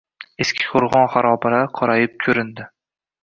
Eski qo‘rg‘on xarobalari qorayib ko‘rindi.